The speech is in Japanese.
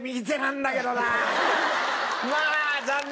まあ残念。